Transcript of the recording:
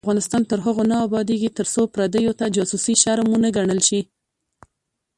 افغانستان تر هغو نه ابادیږي، ترڅو پردیو ته جاسوسي شرم ونه ګڼل شي.